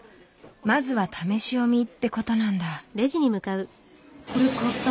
まずは試し読みってことなんだ。